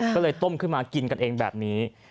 ก็เลยต้มขึ้นมากินกันเองแบบนี้